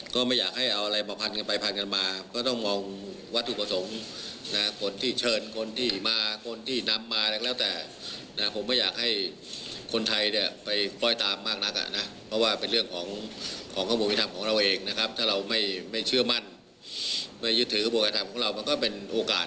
เข้ามามันก็ด้วยความหวังดีไม่หวังดีก็ไม่รู้เหมือนกัน